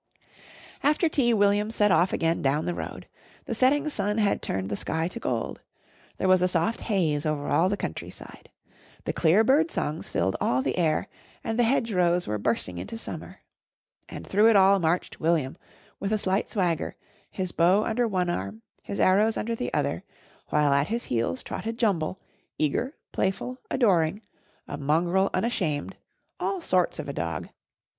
After tea William set off again down the road. The setting sun had turned the sky to gold. There was a soft haze over all the countryside. The clear bird songs filled all the air, and the hedgerows were bursting into summer. And through it all marched William, with a slight swagger, his bow under one arm, his arrows under the other, while at his heels trotted Jumble, eager, playful, adoring a mongrel unashamed all sorts of a dog.